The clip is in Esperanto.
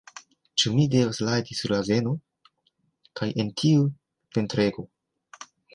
Ĉu mi devas rajdi sur azeno? kaj en tiu ventrego?